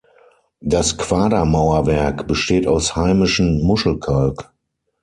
Das Quadermauerwerk besteht aus heimischem Muschelkalk.